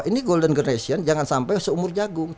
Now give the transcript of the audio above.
ini golden generation jangan sampai seumur jagung